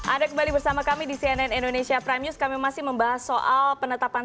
ada kembali bersama kami di cnn indonesia prime news kami masih membahas soal penetapan